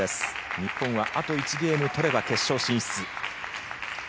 日本はあと１ゲーム取れば決勝進出。